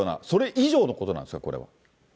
それ以上のことなんですか、これは。